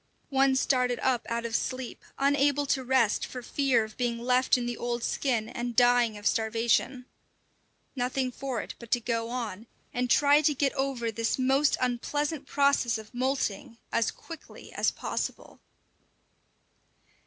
One started up out of sleep, unable to rest for fear of being left in the old skin and dying of starvation. Nothing for it but to go on, and try to get over this most unpleasant process of moulting as quickly as possible.